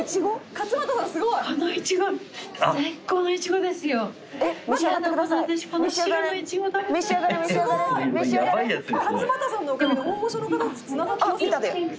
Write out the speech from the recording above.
「勝俣さんのおかげで大御所の方とつながってますよね」